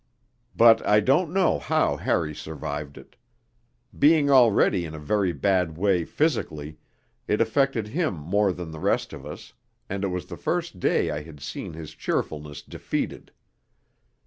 But I don't know how Harry survived it. Being already in a very bad way physically, it affected him more than the rest of us, and it was the first day I had seen his cheerfulness defeated.